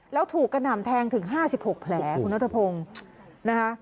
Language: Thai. แล้วถูกกระหน่ำแทงถึง๕๖แผลคุณนัทพงศ์นะคะ